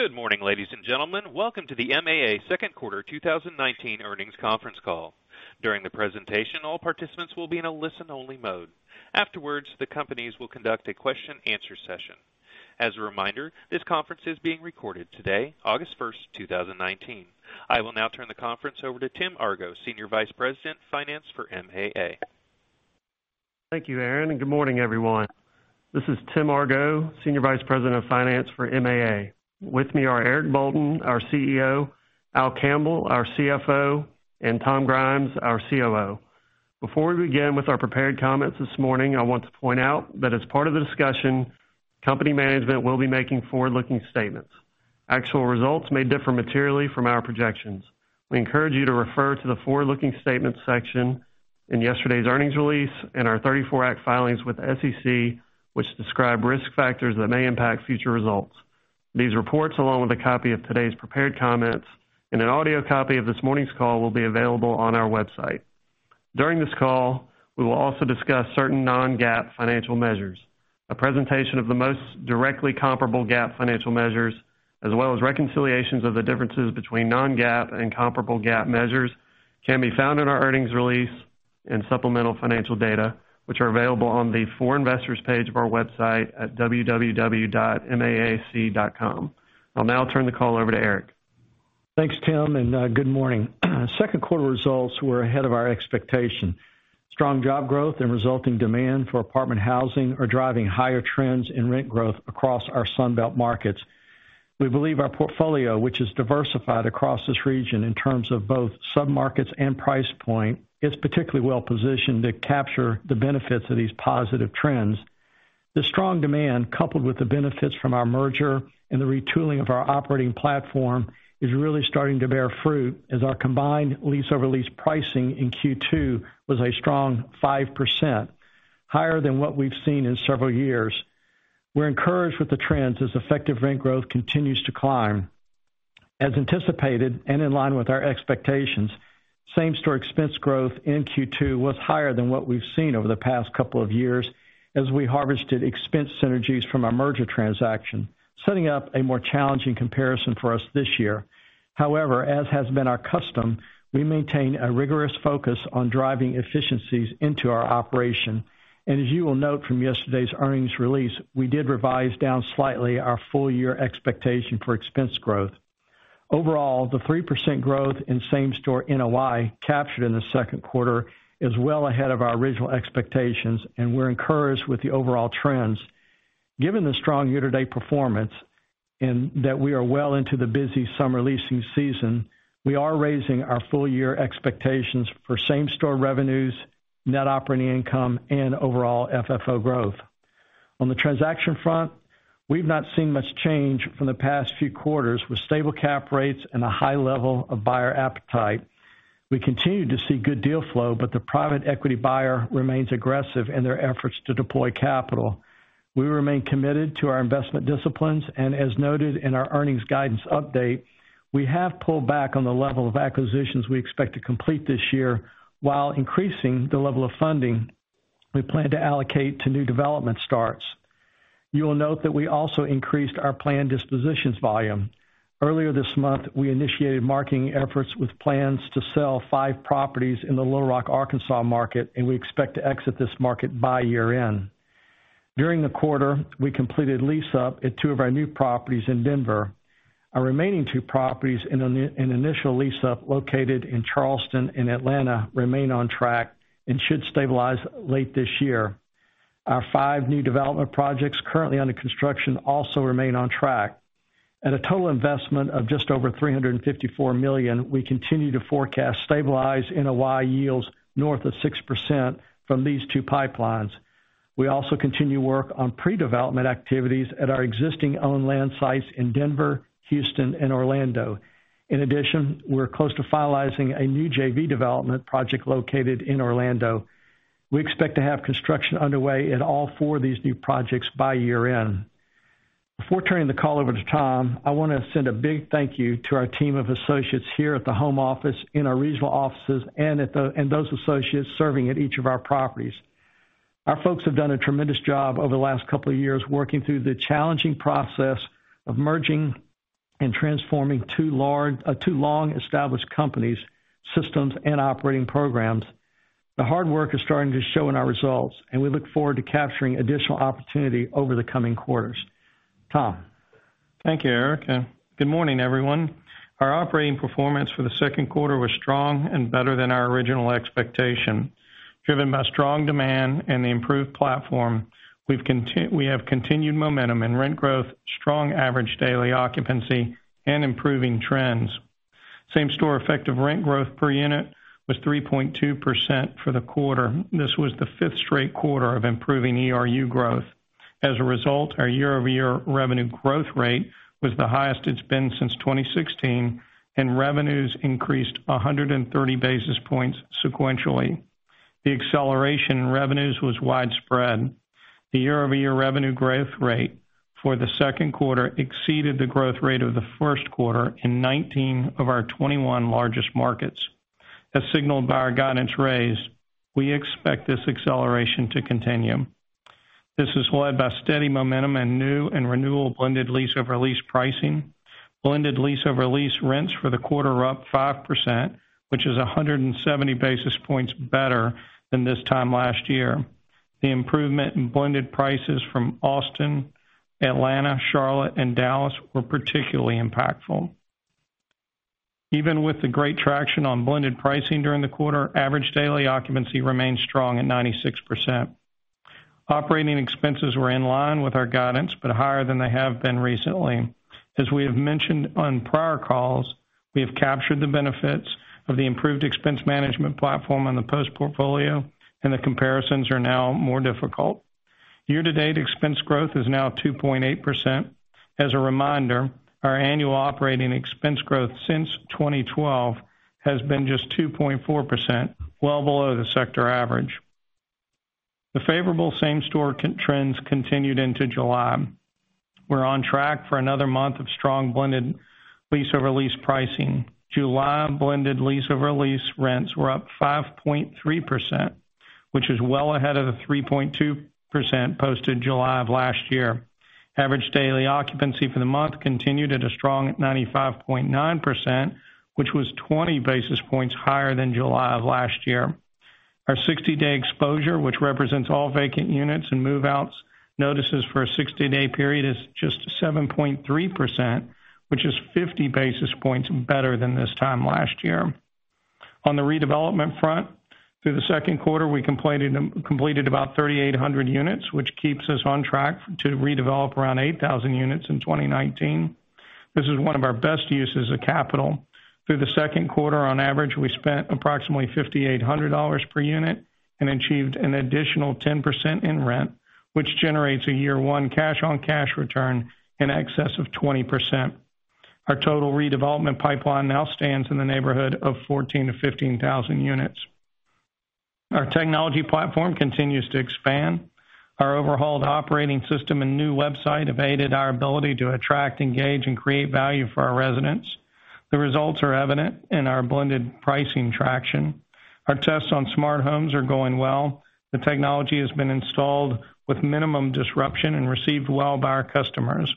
Good morning, ladies and gentlemen. Welcome to the MAA second quarter 2019 earnings conference call. During the presentation, all participants will be in a listen-only mode. Afterwards, the companies will conduct a question and answer session. As a reminder, this conference is being recorded today, August 1, 2019. I will now turn the conference over to Tim Argo, Senior Vice President of Finance for MAA. Thank you, Aaron. Good morning, everyone. This is Tim Argo, Senior Vice President of Finance for MAA. With me are Eric Bolton, our CEO, Al Campbell, our CFO, and Tom Grimes, our COO. Before we begin with our prepared comments this morning, I want to point out that as part of the discussion, company management will be making forward-looking statements. Actual results may differ materially from our projections. We encourage you to refer to the forward-looking statements section in yesterday's earnings release and our 34 Act filings with SEC, which describe risk factors that may impact future results. These reports, along with a copy of today's prepared comments and an audio copy of this morning's call, will be available on our website. During this call, we will also discuss certain non-GAAP financial measures. A presentation of the most directly comparable GAAP financial measures, as well as reconciliations of the differences between non-GAAP and comparable GAAP measures, can be found in our earnings release and supplemental financial data, which are available on the For Investors page of our website at www.maac.com. I'll now turn the call over to Eric. Thanks, Tim, and good morning. Second quarter results were ahead of our expectation. Strong job growth and resulting demand for apartment housing are driving higher trends in rent growth across our Sun Belt markets. We believe our portfolio, which is diversified across this region in terms of both sub-markets and price point, is particularly well-positioned to capture the benefits of these positive trends. The strong demand, coupled with the benefits from our merger and the retooling of our operating platform, is really starting to bear fruit as our combined lease-over-lease pricing in Q2 was a strong 5%, higher than what we've seen in several years. We're encouraged with the trends as effective rent growth continues to climb. As anticipated, and in line with our expectations, same-store expense growth in Q2 was higher than what we've seen over the past couple of years as we harvested expense synergies from our merger transaction, setting up a more challenging comparison for us this year. As has been our custom, we maintain a rigorous focus on driving efficiencies into our operation. As you will note from yesterday's earnings release, we did revise down slightly our full-year expectation for expense growth. Overall, the 3% growth in same-store NOI captured in the second quarter is well ahead of our original expectations, and we're encouraged with the overall trends. Given the strong year-to-date performance and that we are well into the busy summer leasing season, we are raising our full-year expectations for same-store revenues, net operating income, and overall FFO growth. On the transaction front, we've not seen much change from the past few quarters with stable cap rates and a high level of buyer appetite. We continue to see good deal flow, but the private equity buyer remains aggressive in their efforts to deploy capital. We remain committed to our investment disciplines, and as noted in our earnings guidance update, we have pulled back on the level of acquisitions we expect to complete this year, while increasing the level of funding we plan to allocate to new development starts. You will note that we also increased our planned dispositions volume. Earlier this month, we initiated marketing efforts with plans to sell five properties in the Little Rock, Arkansas market, and we expect to exit this market by year-end. During the quarter, we completed lease-up at two of our new properties in Denver. Our remaining two properties in initial lease-up, located in Charleston and Atlanta, remain on track and should stabilize late this year. Our five new development projects currently under construction also remain on track. At a total investment of just over $354 million, we continue to forecast stabilized NOI yields north of 6% from these two pipelines. We also continue work on pre-development activities at our existing owned land sites in Denver, Houston, and Orlando. In addition, we're close to finalizing a new JV development project located in Orlando. We expect to have construction underway in all four of these new projects by year-end. Before turning the call over to Tom, I want to send a big thank you to our team of associates here at the home office, in our regional offices, and those associates serving at each of our properties. Our folks have done a tremendous job over the last couple of years working through the challenging process of merging and transforming two long-established companies' systems and operating programs. The hard work is starting to show in our results, and we look forward to capturing additional opportunity over the coming quarters. Tom. Thank you, Eric. Good morning, everyone. Our operating performance for the second quarter was strong and better than our original expectation. Driven by strong demand and the improved platform, we have continued momentum in rent growth, strong average daily occupancy, and improving trends. Same-store effective rent growth per unit was 3.2% for the quarter. This was the fifth straight quarter of improving ERU growth. Our year-over-year revenue growth rate was the highest it's been since 2016, and revenues increased 130 basis points sequentially. The acceleration in revenues was widespread. The year-over-year revenue growth rate for the second quarter exceeded the growth rate of the first quarter in 19 of our 21 largest markets. As signaled by our guidance raise, we expect this acceleration to continue. This is led by steady momentum in new and renewal blended lease-over-lease pricing. Blended lease-over-lease rents for the quarter were up 5%, which is 170 basis points better than this time last year. The improvement in blended prices from Austin, Atlanta, Charlotte, and Dallas were particularly impactful. Even with the great traction on blended pricing during the quarter, average daily occupancy remained strong at 96%. Operating expenses were in line with our guidance, higher than they have been recently. As we have mentioned on prior calls, we have captured the benefits of the improved expense management platform on the Post portfolio, the comparisons are now more difficult. Year-to-date expense growth is now 2.8%. As a reminder, our annual operating expense growth since 2012 has been just 2.4%, well below the sector average. The favorable same-store trends continued into July. We're on track for another month of strong blended lease-over-lease pricing. July blended lease-over-lease rents were up 5.3%, which is well ahead of the 3.2% posted July of last year. Average daily occupancy for the month continued at a strong 95.9%, which was 20 basis points higher than July of last year. Our 60-day exposure, which represents all vacant units and move-outs notices for a 60-day period, is just 7.3%, which is 50 basis points better than this time last year. On the redevelopment front, through the second quarter, we completed about 3,800 units, which keeps us on track to redevelop around 8,000 units in 2019. This is one of our best uses of capital. Through the second quarter, on average, we spent approximately $5,800 per unit and achieved an additional 10% in rent, which generates a year one cash-on-cash return in excess of 20%. Our total redevelopment pipeline now stands in the neighborhood of 14,000-15,000 units. Our technology platform continues to expand. Our overhauled operating system and new website have aided our ability to attract, engage, and create value for our residents. The results are evident in our blended pricing traction. Our tests on smart homes are going well. The technology has been installed with minimum disruption and received well by our customers.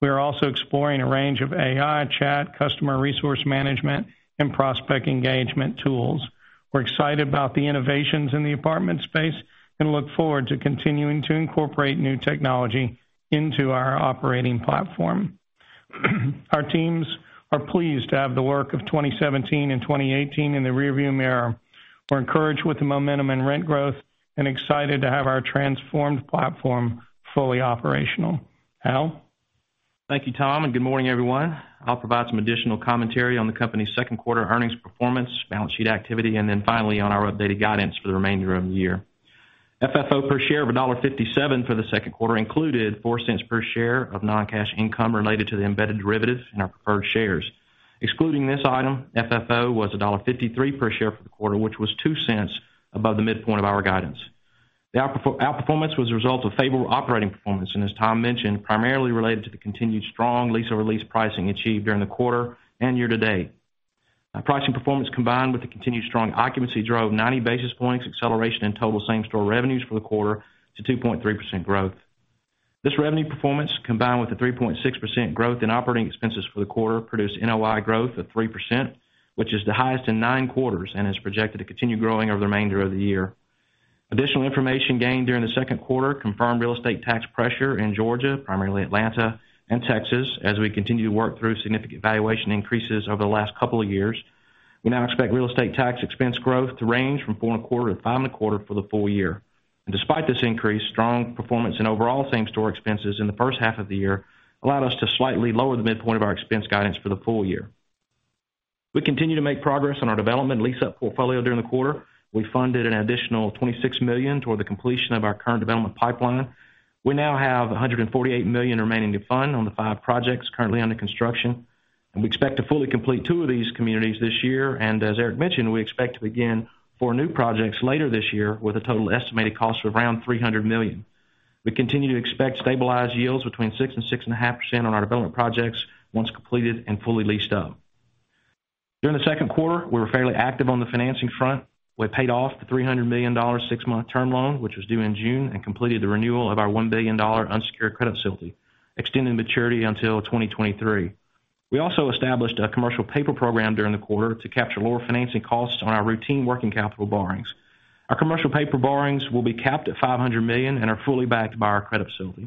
We are also exploring a range of AI chat, customer resource management, and prospect engagement tools. We're excited about the innovations in the apartment space and look forward to continuing to incorporate new technology into our operating platform. Our teams are pleased to have the work of 2017 and 2018 in the rear-view mirror. We're encouraged with the momentum and rent growth and excited to have our transformed platform fully operational. Al? Thank you, Tom, and good morning, everyone. I'll provide some additional commentary on the company's second quarter earnings performance, balance sheet activity, and then finally on our updated guidance for the remainder of the year. FFO per share of $1.57 for the second quarter included $0.04 per share of non-cash income related to the embedded derivatives in our preferred shares. Excluding this item, FFO was $1.53 per share for the quarter, which was $0.02 above the midpoint of our guidance. The outperformance was a result of favorable operating performance, and as Tom mentioned, primarily related to the continued strong lease-over-lease pricing achieved during the quarter and year-to-date. Pricing performance, combined with the continued strong occupancy drove 90 basis points acceleration in total same-store revenues for the quarter to 2.3% growth. This revenue performance, combined with the 3.6% growth in operating expenses for the quarter, produced NOI growth of 3%, which is the highest in nine quarters and is projected to continue growing over the remainder of the year. Additional information gained during the second quarter confirmed real estate tax pressure in Georgia, primarily Atlanta, and Texas, as we continue to work through significant valuation increases over the last couple of years. We now expect real estate tax expense growth to range from four and a quarter to five and a quarter for the full year. Despite this increase, strong performance and overall same-store expenses in the first half of the year allowed us to slightly lower the midpoint of our expense guidance for the full year. We continue to make progress on our development and lease-up portfolio during the quarter. We funded an additional $26 million toward the completion of our current development pipeline. We now have $148 million remaining to fund on the five projects currently under construction. We expect to fully complete two of these communities this year. As Eric mentioned, we expect to begin four new projects later this year with a total estimated cost of around $300 million. We continue to expect stabilized yields between 6% and 6.5% on our development projects once completed and fully leased up. During the second quarter, we were fairly active on the financing front. We paid off the $300 million six-month term loan, which was due in June, and completed the renewal of our $1 billion unsecured credit facility, extending maturity until 2023. We also established a commercial paper program during the quarter to capture lower financing costs on our routine working capital borrowings. Our commercial paper borrowings will be capped at $500 million and are fully backed by our credit facility.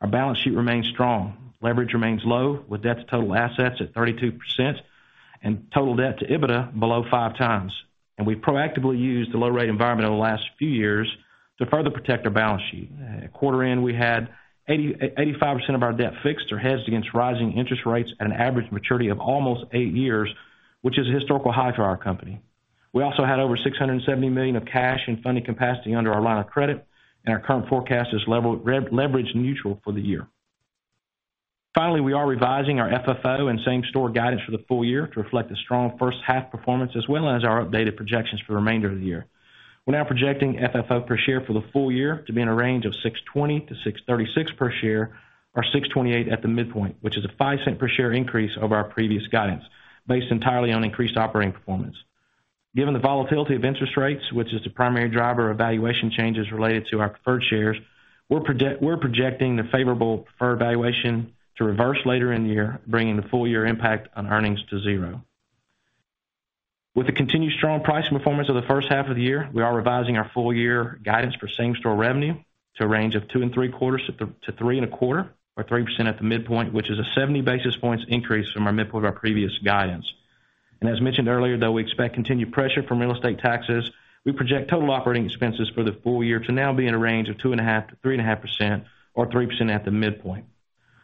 Our balance sheet remains strong. Leverage remains low, with debt to total assets at 32% and total debt to EBITDA below five times. We've proactively used the low rate environment over the last few years to further protect our balance sheet. At quarter end, we had 85% of our debt fixed or hedged against rising interest rates at an average maturity of almost eight years, which is a historical high for our company. We also had over $670 million of cash and funding capacity under our line of credit, and our current forecast is leverage neutral for the year. Finally, we are revising our FFO and same-store guidance for the full year to reflect the strong first half performance, as well as our updated projections for the remainder of the year. We're now projecting FFO per share for the full year to be in a range of $6.20-$6.36 per share, or $6.28 at the midpoint, which is a $0.05 per share increase over our previous guidance, based entirely on increased operating performance. Given the volatility of interest rates, which is the primary driver of valuation changes related to our preferred shares, we're projecting the favorable preferred valuation to reverse later in the year, bringing the full year impact on earnings to zero. With the continued strong pricing performance of the first half of the year, we are revising our full year guidance for same-store revenue to a range of two and three quarters to three and a quarter, or 3% at the midpoint, which is a 70 basis points increase from our midpoint of our previous guidance. As mentioned earlier, though we expect continued pressure from real estate taxes, we project total operating expenses for the full year to now be in a range of 2.5%-3.5%, or 3% at the midpoint.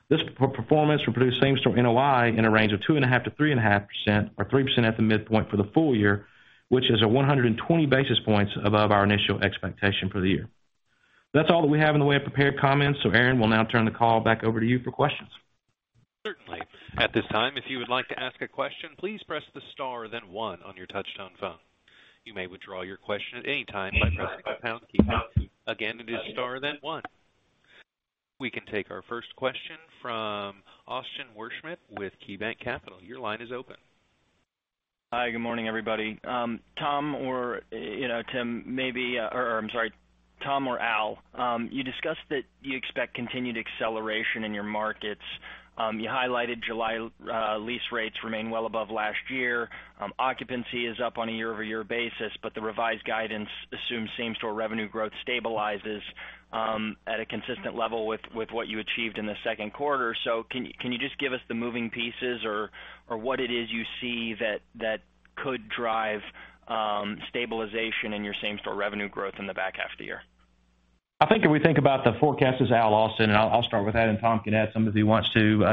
This performance will produce same-store NOI in a range of 2.5%-3.5%, or 3% at the midpoint for the full year, which is a 120 basis points above our initial expectation for the year. That's all that we have in the way of prepared comments, so Aaron, we'll now turn the call back over to you for questions. Certainly. At this time, if you would like to ask a question, please press the star, then one on your touch-tone phone. You may withdraw your question at any time by pressing the pound key. Again, it is star, then one. We can take our first question from Austin Wurschmidt with KeyBanc Capital. Your line is open. Hi, good morning, everybody. Tom or Al, you discussed that you expect continued acceleration in your markets. You highlighted July lease rates remain well above last year. Occupancy is up on a year-over-year basis, but the revised guidance assumes same-store revenue growth stabilizes at a consistent level with what you achieved in the second quarter. Can you just give us the moving pieces or what it is you see that could drive stabilization in your same-store revenue growth in the back half of the year? I think if we think about the forecast as Al, Austin, and I'll start with that and Tom can add something if he wants to.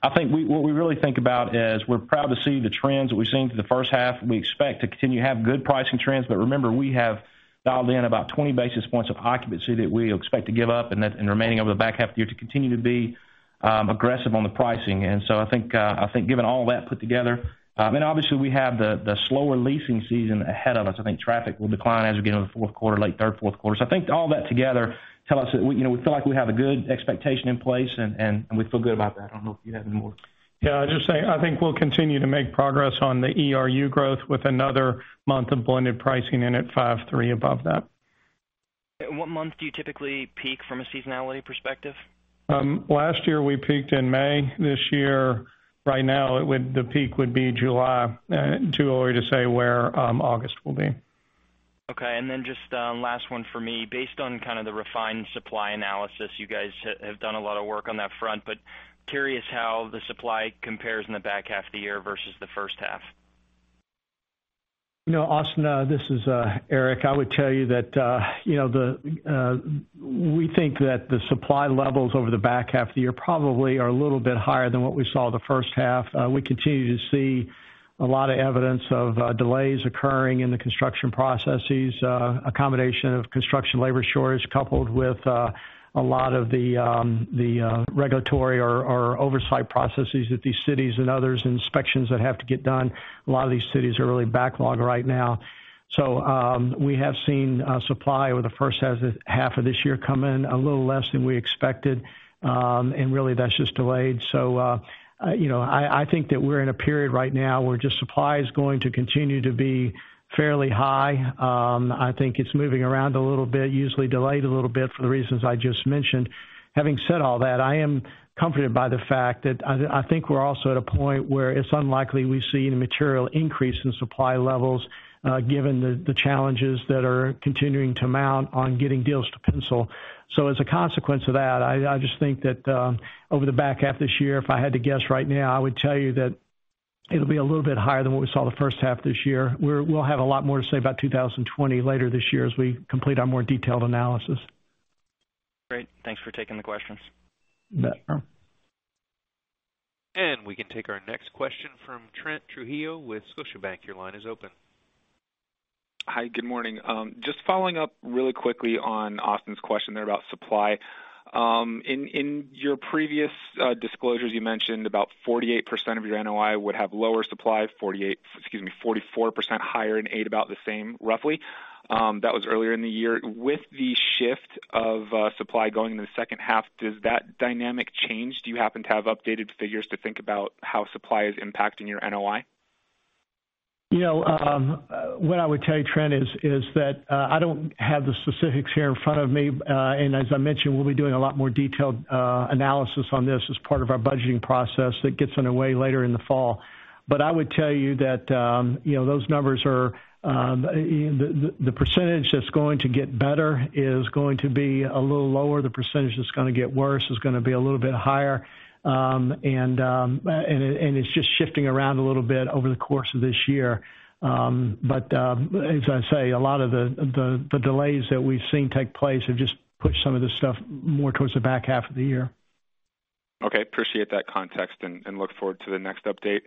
I think what we really think about is we're proud to see the trends that we've seen through the first half. We expect to continue to have good pricing trends, but remember, we have dialed in about 20 basis points of occupancy that we expect to give up and remaining over the back half of the year to continue to be aggressive on the pricing. I think given all that put together, and obviously we have the slower leasing season ahead of us. I think traffic will decline as we get into the fourth quarter, late third, fourth quarter. I think all that together tell us that we feel like we have a good expectation in place, and we feel good about that. I don't know if you have any more. Yeah, I'd just say, I think we'll continue to make progress on the ERU growth with another month of blended pricing in at 5.3% above that. What month do you typically peak from a seasonality perspective? Last year, we peaked in May. This year, right now, the peak would be July. Too early to say where August will be. Okay, just last one for me. Based on kind of the refined supply analysis, you guys have done a lot of work on that front, but curious how the supply compares in the back half of the year versus the first half. Austin, this is Eric. I would tell you that we think that the supply levels over the back half of the year probably are a little bit higher than what we saw the first half. We continue to see a lot of evidence of delays occurring in the construction processes, accommodation of construction labor shortage, coupled with a lot of the regulatory or oversight processes that these cities and others, inspections that have to get done. A lot of these cities are really backlogged right now. We have seen supply over the first half of this year come in a little less than we expected. Really that's just delayed. I think that we're in a period right now where just supply is going to continue to be fairly high. I think it's moving around a little bit, usually delayed a little bit for the reasons I just mentioned. Having said all that, I am comforted by the fact that I think we're also at a point where it's unlikely we see any material increase in supply levels, given the challenges that are continuing to mount on getting deals to pencil. As a consequence of that, I just think that, over the back half of this year, if I had to guess right now, I would tell you that it'll be a little bit higher than what we saw the first half of this year. We'll have a lot more to say about 2020 later this year as we complete our more detailed analysis. Great. Thanks for taking the questions. You bet. We can take our next question from Trent Trujillo with Scotiabank. Your line is open. Hi, good morning. Just following up really quickly on Austin's question there about supply. In your previous disclosures, you mentioned about 48% of your NOI would have lower supply, excuse me, 44% higher and 8% about the same roughly. That was earlier in the year. With the shift of supply going into the second half, does that dynamic change? Do you happen to have updated figures to think about how supply is impacting your NOI? What I would tell you, Trent, is that, I don't have the specifics here in front of me. As I mentioned, we'll be doing a lot more detailed analysis on this as part of our budgeting process that gets underway later in the fall. I would tell you that those numbers are the percentage that's going to get better is going to be a little lower. The percentage that's going to get worse is going to be a little bit higher. It's just shifting around a little bit over the course of this year. As I say, a lot of the delays that we've seen take place have just pushed some of this stuff more towards the back half of the year. Okay. Appreciate that context and look forward to the next update.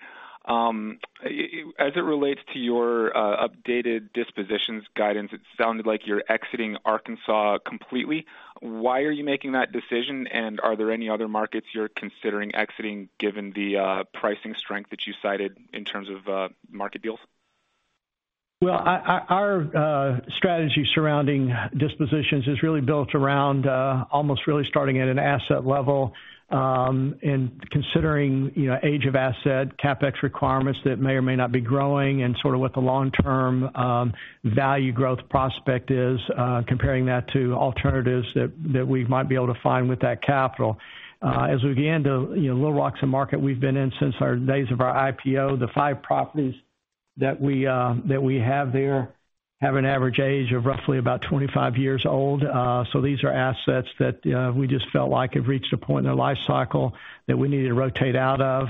As it relates to your updated dispositions guidance, it sounded like you're exiting Arkansas completely. Why are you making that decision, and are there any other markets you're considering exiting given the pricing strength that you cited in terms of market deals? Our strategy surrounding dispositions is really built around almost really starting at an asset level, considering age of asset, CapEx requirements that may or may not be growing, and sort of what the long-term value growth prospect is, comparing that to alternatives that we might be able to find with that capital. Little Rock's a market we've been in since our days of our IPO. The five properties that we have there have an average age of roughly about 25 years old. These are assets that we just felt like have reached a point in their lifecycle that we need to rotate out of.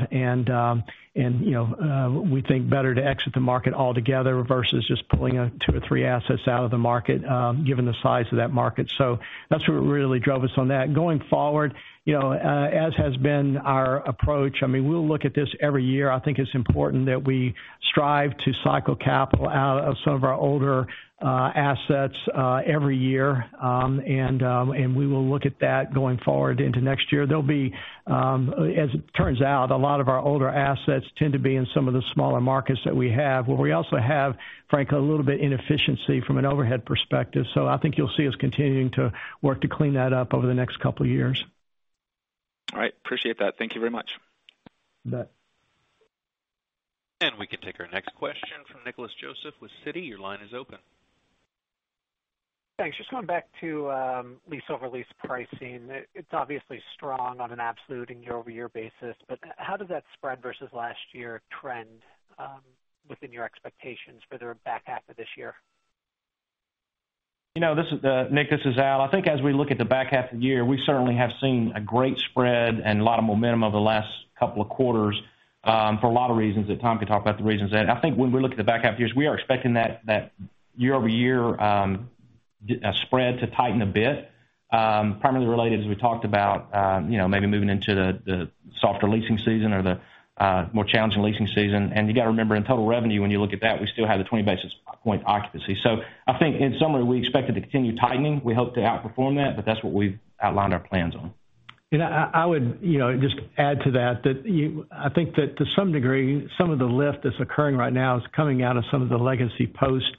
We think better to exit the market altogether versus just pulling two or three assets out of the market, given the size of that market. That's what really drove us on that. Going forward, as has been our approach, we'll look at this every year. I think it's important that we strive to cycle capital out of some of our older assets every year. We will look at that going forward into next year. There'll be, as it turns out, a lot of our older assets tend to be in some of the smaller markets that we have, where we also have, frankly, a little bit inefficiency from an overhead perspective. I think you'll see us continuing to work to clean that up over the next couple of years. All right. Appreciate that. Thank you very much. You bet. We can take our question from Nicholas Joseph with Citi. Your line is open. Thanks. Just going back to lease over lease pricing. It's obviously strong on an absolute and year-over-year basis, but how does that spread versus last year trend within your expectations for the back half of this year? Nick, this is Al. I think as we look at the back half of the year, we certainly have seen a great spread and a lot of momentum over the last couple of quarters for a lot of reasons that Tom can talk about the reasons. I think when we look at the back half of the years, we are expecting that year-over-year spread to tighten a bit. Primarily related, as we talked about maybe moving into the softer leasing season or the more challenging leasing season. You got to remember, in total revenue, when you look at that, we still have the 20 basis point occupancy. I think in summary, we expect it to continue tightening. We hope to outperform that, but that's what we've outlined our plans on. I would just add to that I think that to some degree, some of the lift that's occurring right now is coming out of some of the Legacy Post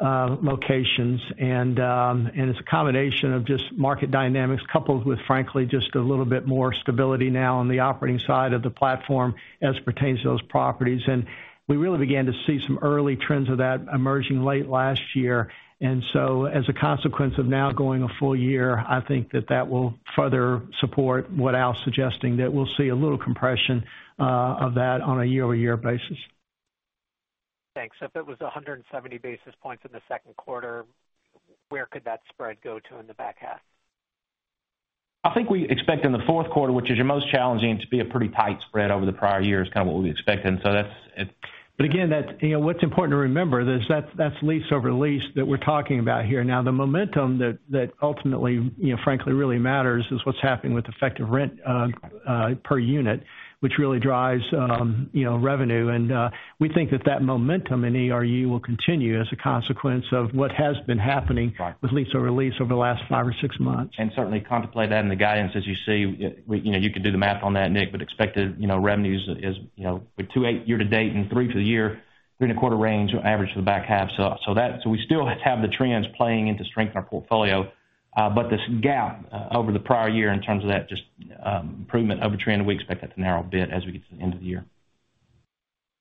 locations. It's a combination of just market dynamics coupled with, frankly, just a little bit more stability now on the operating side of the platform as pertains to those properties. We really began to see some early trends of that emerging late last year. As a consequence of now going a full year, I think that that will further support what Al's suggesting, that we'll see a little compression of that on a year-over-year basis. Thanks. If it was 170 basis points in the second quarter, where could that spread go to in the back half? I think we expect in the fourth quarter, which is your most challenging, to be a pretty tight spread over the prior years, kind of what we expected. That's it. Again, what's important to remember is that's lease over lease that we're talking about here. Now, the momentum that ultimately frankly really matters is what's happening with effective rent per unit, which really drives revenue. We think that that momentum in ERU will continue as a consequence of what has been happening. Right. with lease over lease over the last five or six months. Certainly contemplate that in the guidance. As you see, you could do the math on that, Nick, but expected revenues is with 2.8% year to date and 3% for the year, 3 and a quarter percent range average for the back half. We still have the trends playing into strengthen our portfolio. This gap over the prior year in terms of that, just improvement of a trend, we expect that to narrow a bit as we get to the end of the year.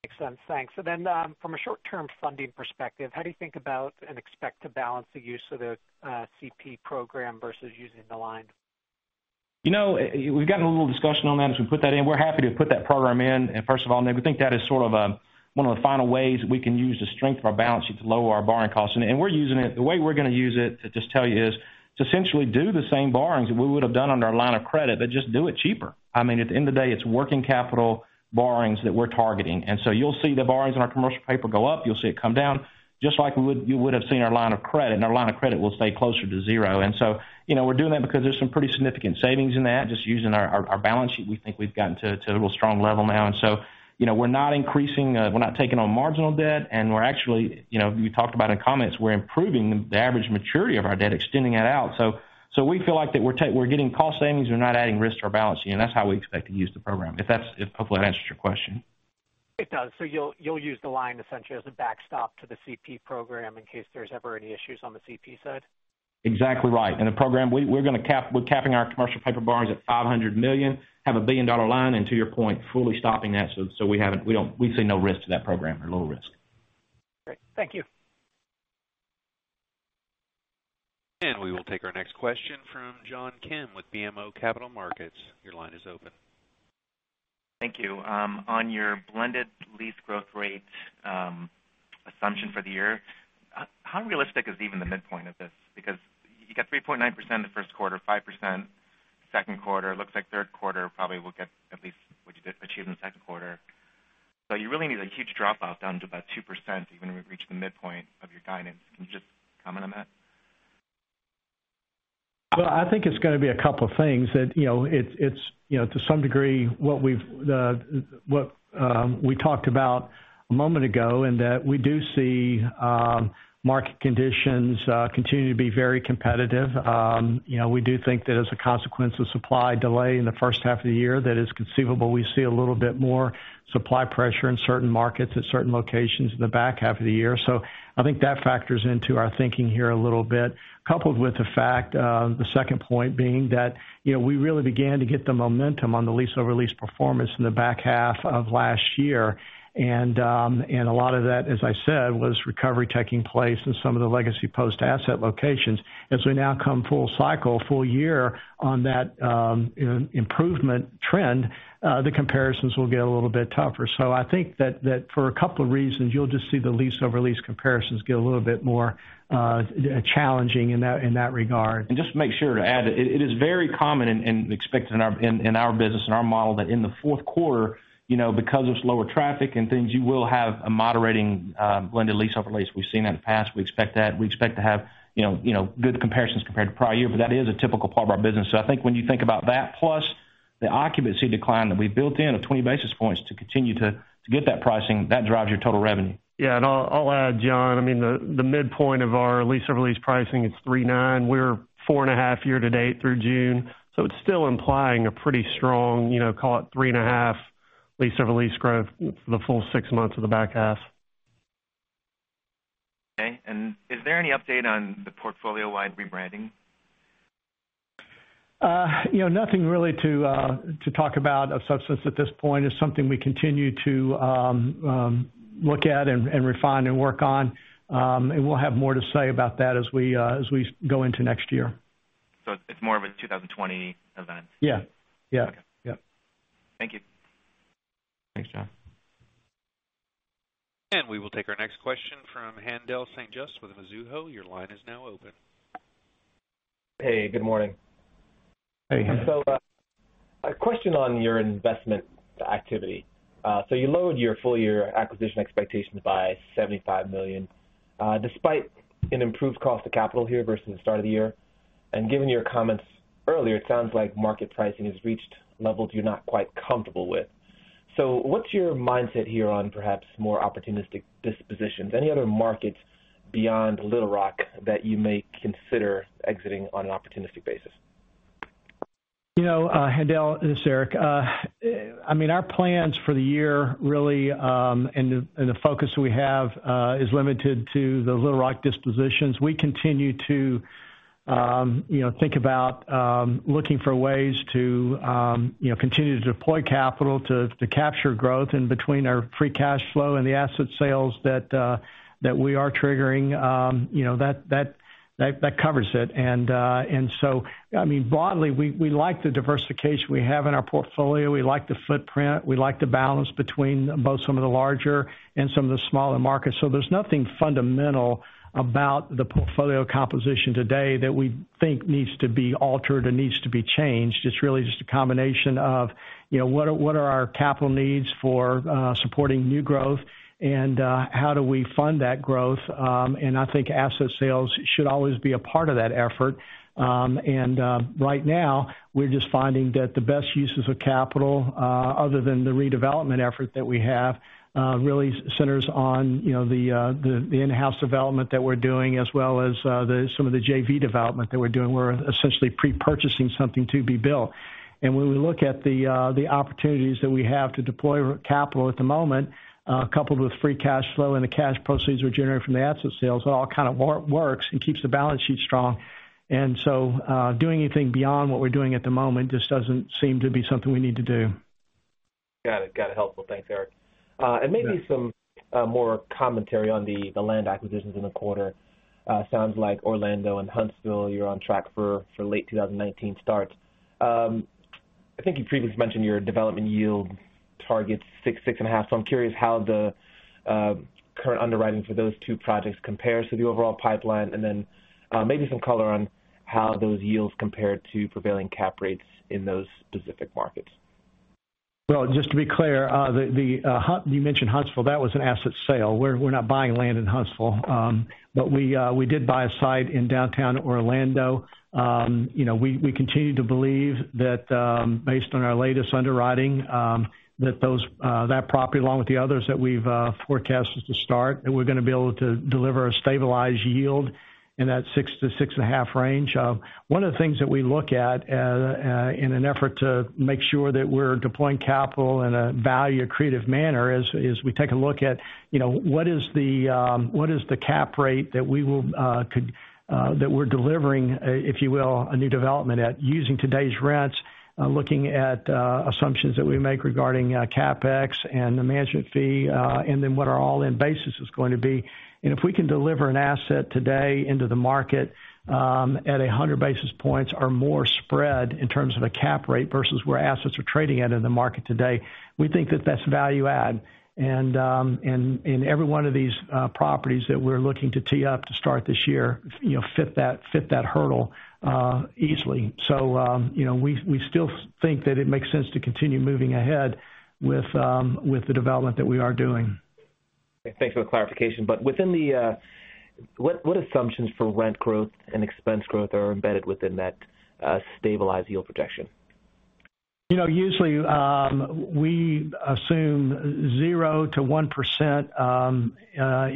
Makes sense. Thanks. From a short-term funding perspective, how do you think about and expect to balance the use of the CP program versus using the line? We've gotten a little discussion on that as we put that in. We're happy to put that program in. First of all, Nick, we think that is sort of one of the final ways we can use the strength of our balance sheet to lower our borrowing costs, and we're using it. The way we're going to use it, to just tell you, is to essentially do the same borrowings that we would have done under our line of credit, but just do it cheaper. At the end of the day, it's working capital borrowings that we're targeting. You'll see the borrowings on our commercial paper go up. You'll see it come down, just like you would have seen our line of credit, our line of credit will stay closer to zero. We're doing that because there's some pretty significant savings in that, just using our balance sheet. We think we've gotten to a real strong level now. We're not increasing, we're not taking on marginal debt, and we're actually, you talked about in comments, we're improving the average maturity of our debt, extending that out. We feel like that we're getting cost savings. We're not adding risk to our balance sheet, and that's how we expect to use the program. Hopefully, that answers your question. It does. You'll use the line essentially as a backstop to the CP program in case there's ever any issues on the CP side? Exactly right. The program, we're capping our commercial paper borrowings at $500 million, have a billion-dollar line, and to your point, fully stopping that. We see no risk to that program or low risk. Great. Thank you. We will take our next question from John Kim with BMO Capital Markets. Your line is open. Thank you. On your blended lease growth rate assumption for the year, how realistic is even the midpoint of this? You got 3.9% in the first quarter, 5% second quarter. Looks like third quarter probably will get at least what you did achieve in the second quarter. You really need a huge drop off down to about 2% even when we reach the midpoint of your guidance. Can you just comment on that? I think it's going to be a couple of things. It's to some degree what we've talked about a moment ago, in that we do see market conditions continue to be very competitive. We do think that as a consequence of supply delay in the first half of the year, that it's conceivable we see a little bit more supply pressure in certain markets at certain locations in the back half of the year. I think that factors into our thinking here a little bit, coupled with the fact, the second point being that, we really began to get the momentum on the lease-over-lease performance in the back half of last year. A lot of that, as I said, was recovery taking place in some of the Legacy Post asset locations. As we now come full cycle, full year on that improvement trend, the comparisons will get a little bit tougher. I think that for a couple of reasons, you'll just see the lease over lease comparisons get a little bit more challenging in that regard. Just to make sure to add, it is very common and expected in our business, in our model, that in the fourth quarter, because of slower traffic and things, you will have a moderating blended lease over lease. We've seen that in the past. We expect that. We expect to have good comparisons compared to prior year, but that is a typical part of our business. I think when you think about that, plus the occupancy decline that we've built in of 20 basis points to continue to get that pricing, that drives your total revenue. Yeah, and I'll add, John, the midpoint of our lease over lease pricing is 3.9%. We're 4.5% year to date through June. It's still implying a pretty strong, call it 3.5% lease over lease growth for the full six months of the back half. Okay. Is there any update on the portfolio-wide rebranding? Nothing really to talk about of substance at this point. It's something we continue to look at and refine and work on. We'll have more to say about that as we go into next year. It's more of a 2020 event? Yeah. Okay. Yep. Thank you. Thanks, John. We will take our next question from Haendel St. Juste with Mizuho. Your line is now open. Hey, good morning. Hey, Haendel. A question on your investment activity. You lowered your full year acquisition expectations by $75 million, despite an improved cost of capital here versus the start of the year. Given your comments earlier, it sounds like market pricing has reached levels you're not quite comfortable with. What's your mindset here on perhaps more opportunistic dispositions, any other markets beyond Little Rock that you may consider exiting on an opportunistic basis? Haendel, this is Eric. Our plans for the year really, the focus we have, is limited to the Little Rock dispositions. We continue to think about looking for ways to continue to deploy capital to capture growth. Between our free cash flow and the asset sales that we are triggering, that covers it. Broadly, we like the diversification we have in our portfolio. We like the footprint. We like the balance between both some of the larger and some of the smaller markets. There's nothing fundamental about the portfolio composition today that we think needs to be altered or needs to be changed. It's really just a combination of what are our capital needs for supporting new growth and how do we fund that growth? I think asset sales should always be a part of that effort. Right now, we're just finding that the best uses of capital, other than the redevelopment effort that we have, really centers on the in-house development that we're doing, as well as some of the JV development that we're doing. We're essentially pre-purchasing something to be built. When we look at the opportunities that we have to deploy capital at the moment, coupled with free cash flow and the cash proceeds we generate from the asset sales, it all kind of works and keeps the balance sheet strong. Doing anything beyond what we're doing at the moment just doesn't seem to be something we need to do. Got it. Helpful. Thanks, Eric. Maybe some more commentary on the land acquisitions in the quarter. Sounds like Orlando and Huntsville, you're on track for late 2019 starts. I think you previously mentioned your development yield targets 6%-6.5%. I'm curious how the current underwriting for those two projects compares to the overall pipeline, then maybe some color on how those yields compare to prevailing cap rates in those specific markets. Just to be clear, you mentioned Huntsville. That was an asset sale. We're not buying land in Huntsville. We did buy a site in downtown Orlando. We continue to believe that based on our latest underwriting, that property along with the others that we've forecasted to start, that we're going to be able to deliver a stabilized yield in that six to six and a half range. One of the things that we look at in an effort to make sure that we're deploying capital in a value accretive manner is we take a look at what is the cap rate that we're delivering, if you will, a new development at using today's rents, looking at assumptions that we make regarding CapEx and the management fee, and then what our all-in basis is going to be. If we can deliver an asset today into the market at 100 basis points or more spread in terms of a cap rate versus where assets are trading at in the market today, we think that that's value add. Every one of these properties that we're looking to tee up to start this year fit that hurdle easily. We still think that it makes sense to continue moving ahead with the development that we are doing. Thanks for the clarification. What assumptions for rent growth and expense growth are embedded within that stabilized yield projection? Usually, we assume 0% to 1%,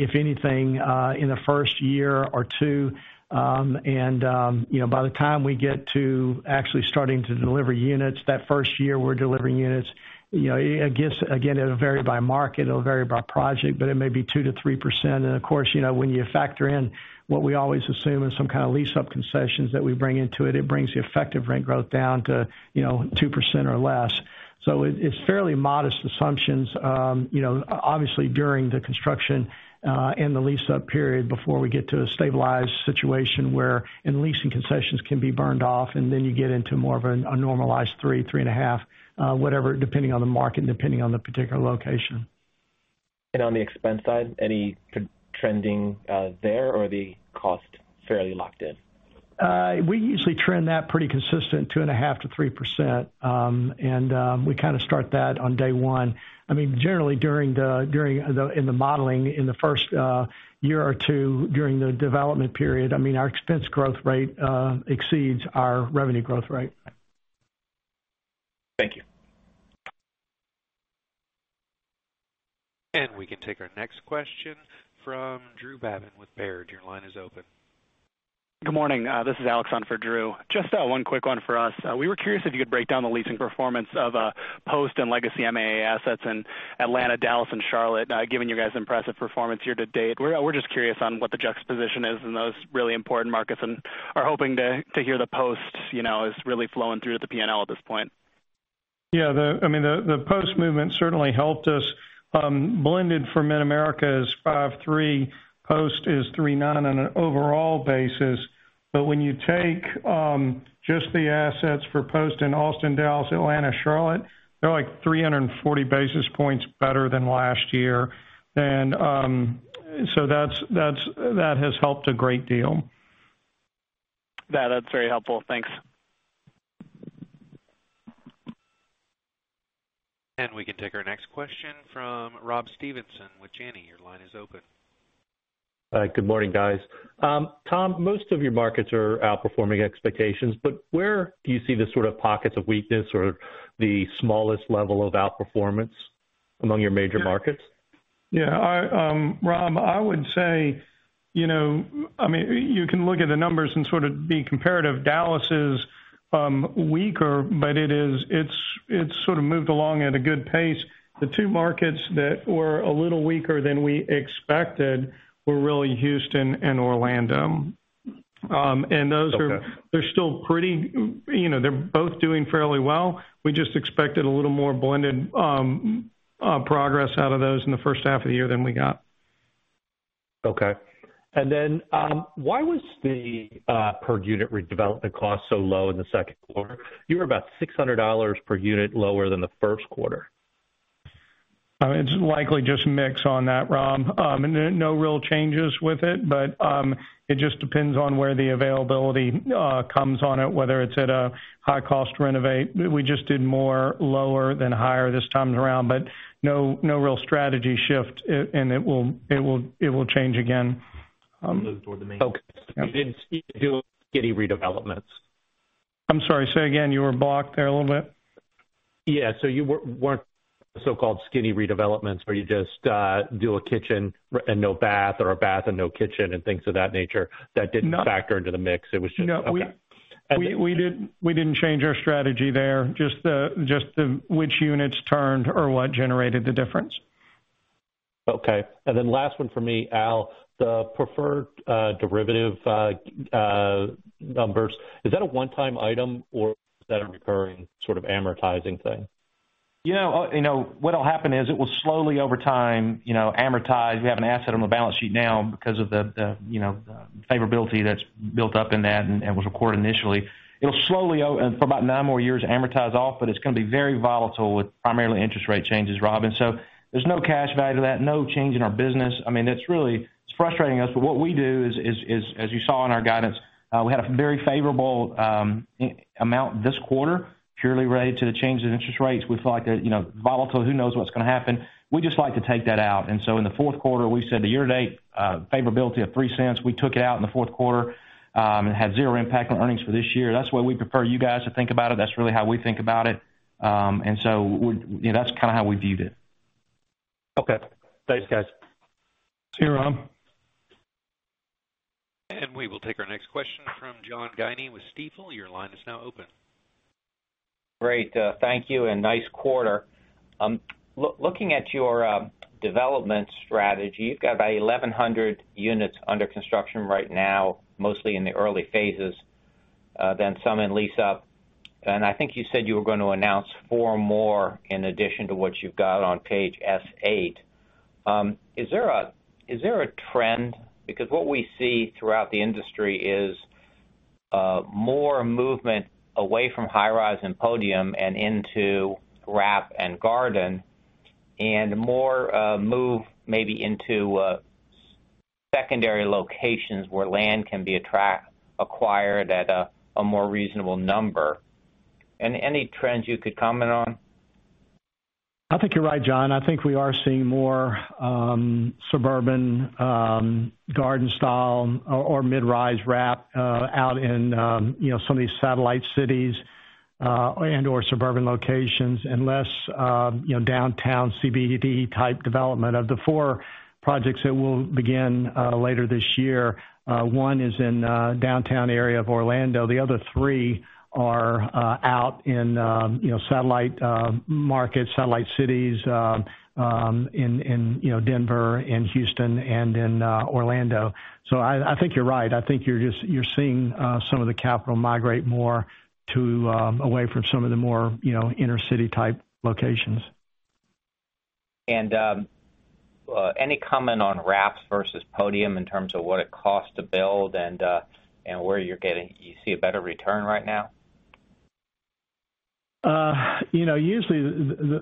if anything, in the first year or two. By the time we get to actually starting to deliver units, that first year we're delivering units, again, it'll vary by market, it'll vary by project, but it may be 2%-3%. Of course, when you factor in what we always assume is some kind of lease-up concessions that we bring into it brings the effective rent growth down to 2% or less. It's fairly modest assumptions, obviously, during the construction and the lease-up period before we get to a stabilized situation where any leasing concessions can be burned off, then you get into more of a normalized 3%, 3.5%, whatever, depending on the market, depending on the particular location. On the expense side, any trending there, or are the costs fairly locked in? We usually trend that pretty consistent, 2.5%-3%, We kind of start that on day one. Generally, in the modeling in the first year or two during the development period, our expense growth rate exceeds our revenue growth rate. Thank you. We can take our next question from Drew Babin with Baird. Your line is open. Good morning. This is Alex on for Drew. Just one quick one for us. We were curious if you could break down the leasing performance of Post and Legacy MAA assets in Atlanta, Dallas, and Charlotte. Given you guys' impressive performance year to date, we're just curious on what the juxtaposition is in those really important markets and are hoping to hear the Post is really flowing through to the P&L at this point. Yeah. The Post movement certainly helped us. Blended for Mid-America is 5.3. Post is 3.9 on an overall basis. When you take just the assets for Post in Austin, Dallas, Atlanta, Charlotte, they're like 340 basis points better than last year. That has helped a great deal. That's very helpful. Thanks. We can take our next question from Rob Stevenson with Janney. Your line is open. Good morning, guys. Tom, most of your markets are outperforming expectations. Where do you see the sort of pockets of weakness or the smallest level of outperformance among your major markets? Yeah, Rob, I would say, you can look at the numbers and sort of be comparative. Dallas is weaker, but it sort of moved along at a good pace. The two markets that were a little weaker than we expected were really Houston and Orlando. Okay. They're both doing fairly well. We just expected a little more blended progress out of those in the first half of the year than we got. Okay. Why was the per-unit redevelopment cost so low in the second quarter? You were about $600 per unit lower than the first quarter. It's likely just mix on that, Rob. No real changes with it, but it just depends on where the availability comes on it, whether it's at a high cost to renovate. We just did more lower than higher this time around, but no real strategy shift. It will change again. Move toward the main- Okay. Yeah. You didn't do skinny redevelopments. I'm sorry, say again, you were blocked there a little bit. Yeah. you weren't so-called skinny redevelopments, where you just do a kitchen and no bath, or a bath and no kitchen, and things of that nature. No. That didn't factor into the mix. No. Okay. We didn't change our strategy there. Just which units turned are what generated the difference. Okay. Last one from me. Al, the preferred derivative numbers, is that a one-time item, or is that a recurring sort of amortizing thing? What'll happen is it will slowly, over time, amortize. We have an asset on the balance sheet now because of the favorability that's built up in that and was recorded initially. It'll slowly, for about nine more years, amortize off, but it's going to be very volatile with primarily interest rate changes, Rob. There's no cash value to that, no change in our business. It's frustrating us. What we do is, as you saw in our guidance, we had a very favorable amount this quarter purely related to the change in interest rates. We feel like, volatile, who knows what's going to happen? We just like to take that out. In the fourth quarter, we said the year-to-date favorability of $0.03, we took it out in the fourth quarter, and it had zero impact on earnings for this year. That's the way we prefer you guys to think about it. That's really how we think about it. That's kind of how we viewed it. Okay. Thanks, guys. See you, Rob. We will take our next question from John Guinee with Stifel. Your line is now open. Great. Thank you, and nice quarter. Looking at your development strategy, you've got 1,100 units under construction right now, mostly in the early phases, then some in lease-up. I think you said you were going to announce four more in addition to what you've got on page S8. Is there a trend? What we see throughout the industry is more movement away from high-rise and podium and into wrap and garden, and more move maybe into Secondary locations where land can be acquired at a more reasonable number. Any trends you could comment on? I think you're right, John. I think we are seeing more suburban garden style or mid-rise wrap out in some of these satellite cities, and/or suburban locations and less downtown CBD-type development. Of the four projects that we'll begin later this year, one is in downtown area of Orlando. The other three are out in satellite markets, satellite cities in Denver, in Houston, and in Orlando. I think you're right. I think you're seeing some of the capital migrate more away from some of the more inner-city-type locations. Any comment on wraps versus podium in terms of what it costs to build and where you see a better return right now? Usually,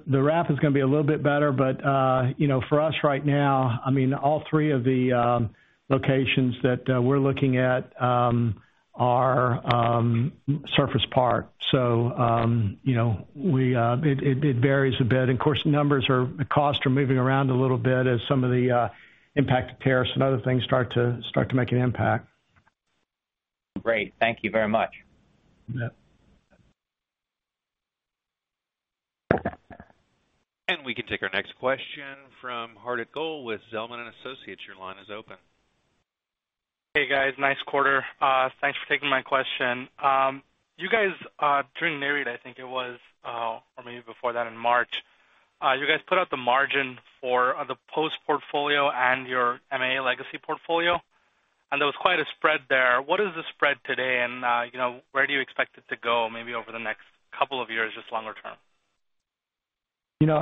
the wrap is going to be a little bit better, but for us right now, all three of the locations that we're looking at are surface part. It varies a bit. Of course, costs are moving around a little bit as some of the impact of tariffs and other things start to make an impact. Great. Thank you very much. Yeah. We can take our next question from Hardit Goel with Zelman & Associates. Your line is open. Hey, guys. Nice quarter. Thanks for taking my question. You guys, during Nareit, I think it was, or maybe before that in March, you guys put out the margin for the Post portfolio and your MAA Legacy portfolio, and there was quite a spread there. What is the spread today, and where do you expect it to go maybe over the next couple of years, just longer term? We don't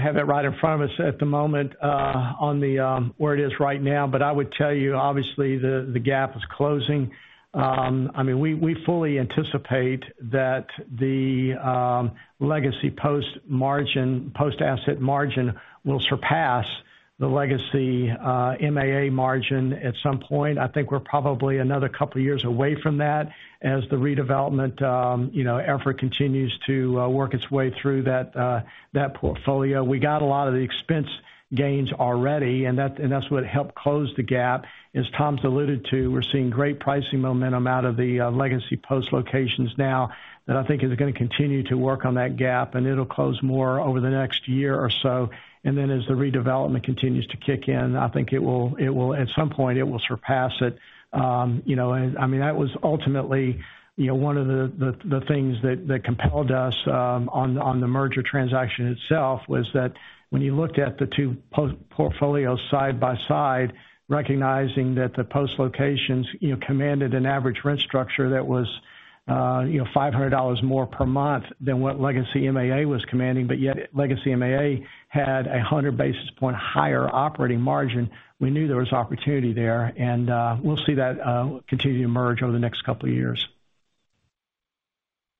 have that right in front of us at the moment on where it is right now. I would tell you, obviously, the gap is closing. We fully anticipate that the Legacy Post asset margin will surpass the Legacy MAA margin at some point. I think we're probably another couple of years away from that as the redevelopment effort continues to work its way through that portfolio. We got a lot of the expense gains already, that's what helped close the gap. As Tom's alluded to, we're seeing great pricing momentum out of the Legacy Post locations now that I think is going to continue to work on that gap, and it'll close more over the next year or so. As the redevelopment continues to kick in, I think at some point it will surpass it. That was ultimately one of the things that compelled us on the merger transaction itself, was that when you looked at the two Post portfolios side by side, recognizing that the Post locations commanded an average rent structure that was $500 more per month than what Legacy MAA was commanding, but yet Legacy MAA had 100 basis point higher operating margin. We knew there was opportunity there, and we'll see that continue to merge over the next couple of years.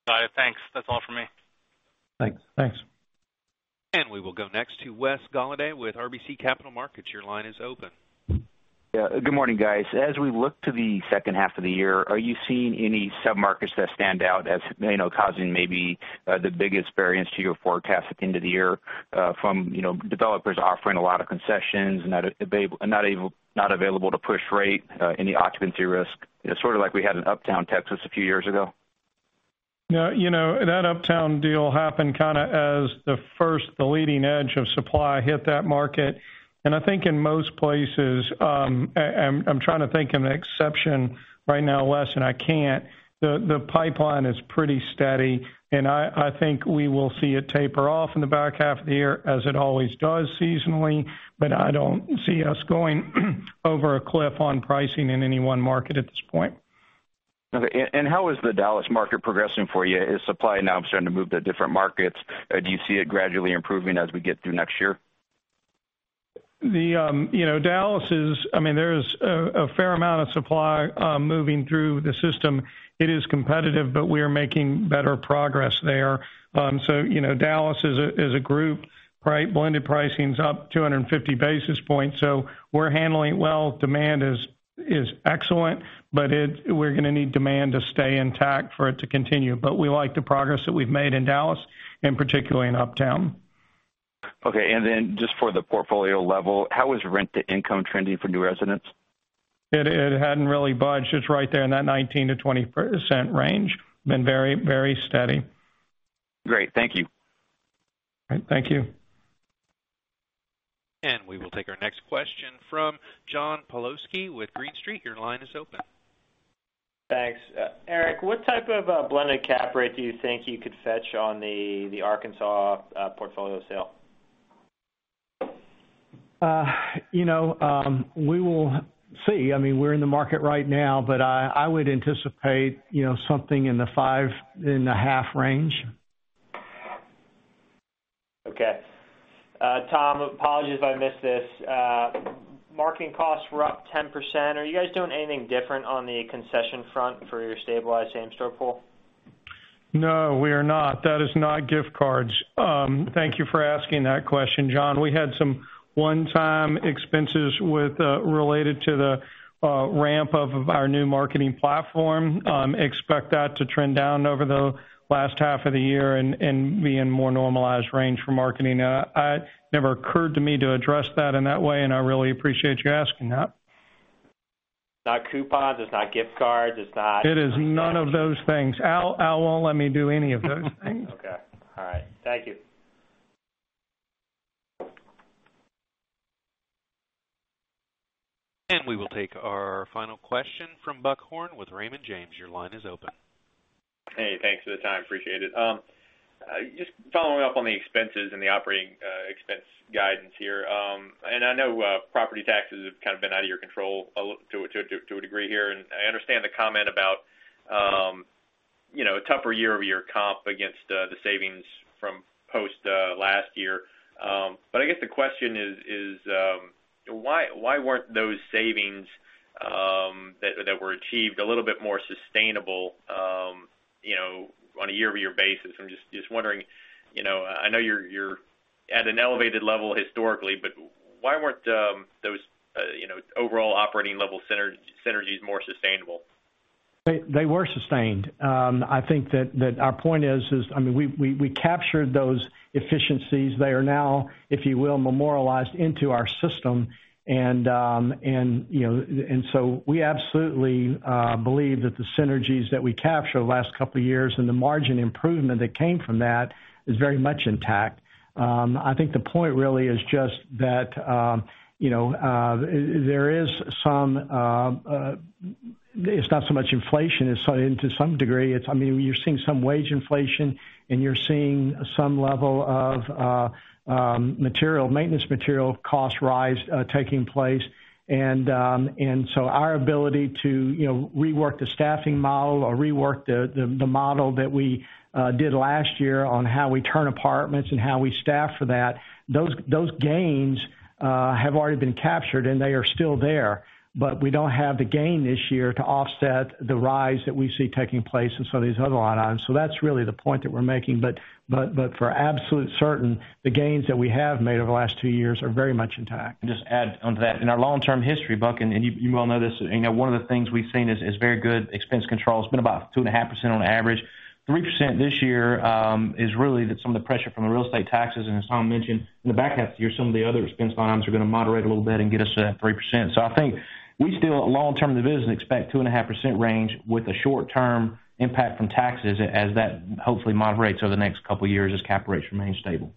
Got it. Thanks. That's all from me. Thanks. We will go next to Wes Golladay with RBC Capital Markets. Your line is open. Yeah. Good morning, guys. As we look to the second half of the year, are you seeing any sub-markets that stand out as causing maybe the biggest variance to your forecast at the end of the year from developers offering a lot of concessions, not available to push rate, any occupancy risk? Sort of like we had in Uptown Texas a few years ago? That Uptown deal happened kind of as the leading edge of supply hit that market. I think in most places, I'm trying to think of an exception right now, Wes, and I can't. The pipeline is pretty steady, and I think we will see it taper off in the back half of the year as it always does seasonally, but I don't see us going over a cliff on pricing in any one market at this point. Okay. How is the Dallas market progressing for you? Is supply now starting to move to different markets? Do you see it gradually improving as we get through next year? Dallas, there's a fair amount of supply moving through the system. It is competitive. We are making better progress there. Dallas as a group, blended pricing's up 250 basis points, so we're handling it well. Demand is excellent. We're going to need demand to stay intact for it to continue. We like the progress that we've made in Dallas, and particularly in Uptown. Okay. Just for the portfolio level, how is rent-to-income trending for new residents? It hadn't really budged. It's right there in that 19%-20% range. It's been very steady. Great. Thank you. All right. Thank you. We will take our next question from John Pawlowski with Green Street. Your line is open. Thanks. Eric, what type of blended cap rate do you think you could fetch on the Arkansas portfolio sale? We will see. We're in the market right now, but I would anticipate something in the five and a half range. Okay. Tom, apologies if I missed this. Marketing costs were up 10%. Are you guys doing anything different on the concession front for your stabilized same store pool? No, we are not. That is not gift cards. Thank you for asking that question, John. We had some one-time expenses related to the ramp-up of our new marketing platform. Expect that to trend down over the last half of the year and be in more normalized range for marketing. It never occurred to me to address that in that way, and I really appreciate you asking that. It's not coupons, it's not gift cards, it's not. It is none of those things. Al won't let me do any of those things. Okay. All right. Thank you. We will take our final question from Buck Horne with Raymond James. Your line is open. Hey, thanks for the time. Appreciate it. Just following up on the expenses and the operating expense guidance here. I know property taxes have kind of been out of your control to a degree here, and I understand the comment about a tougher year-over-year comp against the savings from Post last year. I guess the question is, why weren't those savings that were achieved a little bit more sustainable on a year-over-year basis? I'm just wondering. I know you're at an elevated level historically, why weren't those overall operating level synergies more sustainable? They were sustained. I think that our point is, we captured those efficiencies. They are now, if you will, memorialized into our system. We absolutely believe that the synergies that we captured the last couple of years and the margin improvement that came from that is very much intact. I think the point really is just that it's not so much inflation. To some degree, you're seeing some wage inflation, and you're seeing some level of maintenance material cost rise taking place. Our ability to rework the staffing model or rework the model that we did last year on how we turn apartments and how we staff for that, those gains have already been captured, and they are still there, but we don't have the gain this year to offset the rise that we see taking place in some of these other line items. That's really the point that we're making. For absolute certain, the gains that we have made over the last two years are very much intact. Just add onto that. In our long-term history, Buck, and you well know this, one of the things we've seen is very good expense control. It's been about 2.5% on average. 3% this year is really some of the pressure from the real estate taxes, and as Tom mentioned, in the back half of the year, some of the other expense lines are going to moderate a little bit and get us to that 3%. I think we still, long-term, the business expect 2.5% range with a short-term impact from taxes as that hopefully moderates over the next couple of years as cap rates remain stable.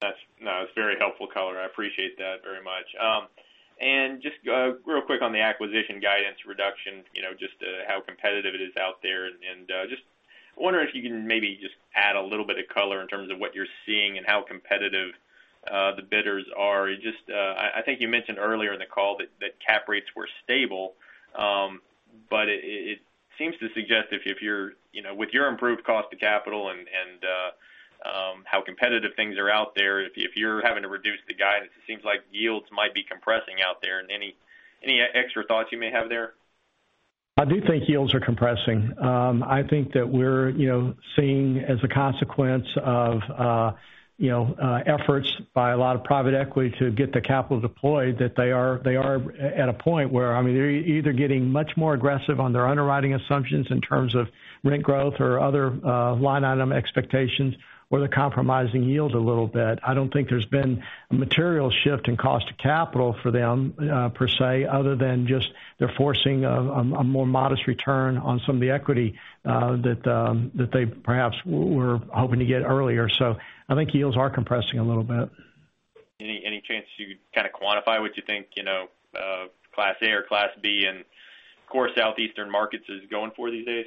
That's very helpful color. I appreciate that very much. Just real quick on the acquisition guidance reduction, just how competitive it is out there, and just wondering if you can maybe just add a little bit of color in terms of what you're seeing and how competitive the bidders are. I think you mentioned earlier in the call that cap rates were stable, but it seems to suggest with your improved cost of capital and how competitive things are out there, if you're having to reduce the guidance, it seems like yields might be compressing out there. Any extra thoughts you may have there? I do think yields are compressing. I think that we're seeing as a consequence of efforts by a lot of private equity to get the capital deployed, that they are at a point where they're either getting much more aggressive on their underwriting assumptions in terms of rent growth or other line item expectations, or they're compromising yields a little bit. I don't think there's been a material shift in cost of capital for them, per se, other than just they're forcing a more modest return on some of the equity that they perhaps were hoping to get earlier. I think yields are compressing a little bit. Any chance you could kind of quantify what you think Class A or Class B in core southeastern markets is going for these days?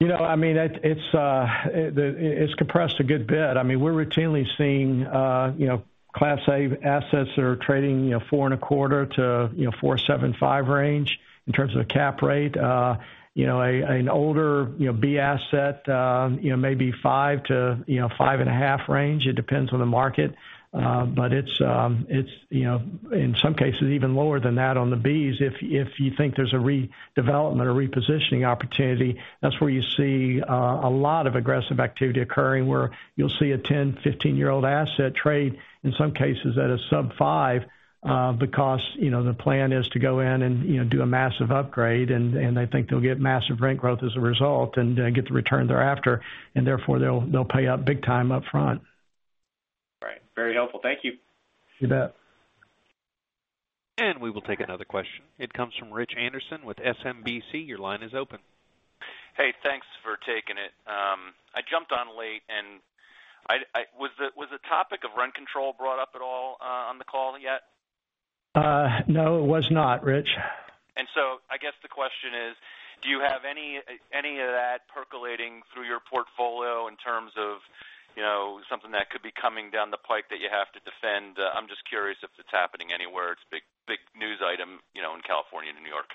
It's compressed a good bit. We're routinely seeing Class A assets that are trading 4.25%-4.75% range in terms of the cap rate. An older B asset, maybe 5%-5.5% range. It depends on the market. It's in some cases even lower than that on the Bs. If you think there's a redevelopment or repositioning opportunity, that's where you see a lot of aggressive activity occurring, where you'll see a 10, 15-year-old asset trade, in some cases, at a sub 5% because the plan is to go in and do a massive upgrade, and they think they'll get massive rent growth as a result and get the return they're after, and therefore they'll pay up big time up front. Right. Very helpful. Thank you. You bet. We will take another question. It comes from Rich Anderson with SMBC. Your line is open. Hey, thanks for taking it. Was the topic of rent control brought up at all on the call yet? No, it was not, Rich. I guess the question is, do you have any of that percolating through your portfolio in terms of something that could be coming down the pike that you have to defend? I'm just curious if it's happening anywhere. It's a big news item in California and New York.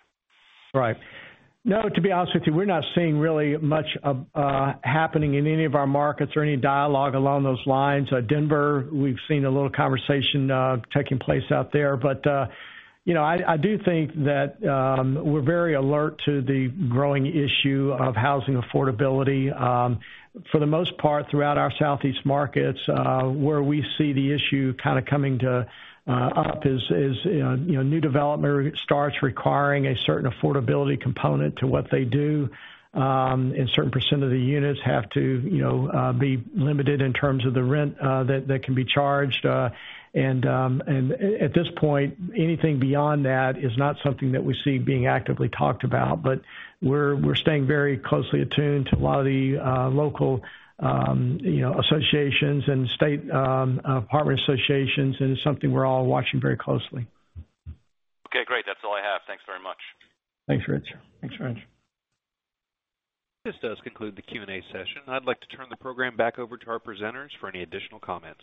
Right. No, to be honest with you, we're not seeing really much happening in any of our markets or any dialogue along those lines. Denver, we've seen a little conversation taking place out there. I do think that we're very alert to the growing issue of housing affordability. For the most part, throughout our Southeast markets, where we see the issue kind of coming up is new development starts requiring a certain affordability component to what they do, and a certain % of the units have to be limited in terms of the rent that can be charged. At this point, anything beyond that is not something that we see being actively talked about, but we're staying very closely attuned to a lot of the local associations and state apartment associations, and it's something we're all watching very closely. Okay, great. That's all I have. Thanks very much. Thanks, Rich. This does conclude the Q&A session. I'd like to turn the program back over to our presenters for any additional comments.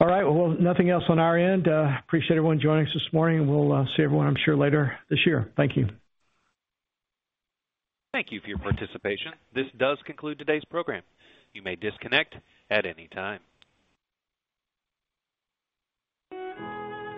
All right. Well, nothing else on our end. Appreciate everyone joining us this morning, and we'll see everyone, I'm sure, later this year. Thank you. Thank you for your participation. This does conclude today's program. You may disconnect at any time.